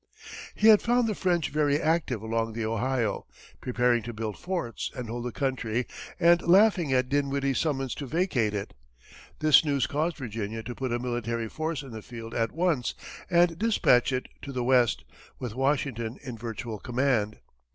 He had found the French very active along the Ohio, preparing to build forts and hold the country, and laughing at Dinwiddie's summons to vacate it. This news caused Virginia to put a military force in the field at once, and dispatch it to the west, with Washington in virtual command.